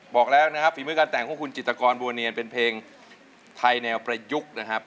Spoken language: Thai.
บอกแล้วนะครับฝีมือการแต่งของคุณจิตกรบัวเนียนเป็นเพลงไทยแนวประยุกต์นะครับ